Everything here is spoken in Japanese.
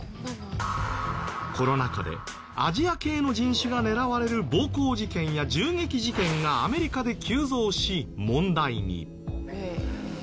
コロナ禍でアジア系の人種が狙われる暴行事件や銃撃事件がアメリカで急増し問題に。